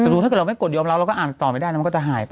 แต่ดูถ้าเกิดเราไม่กดยอมรับเราก็อ่านต่อไม่ได้นะมันก็จะหายไป